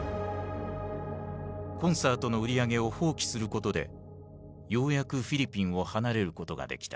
コンサートの売り上げを放棄することでようやくフィリピンを離れることができた。